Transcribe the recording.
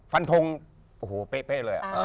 ฟันทงโอ้โหเป๊ะเลย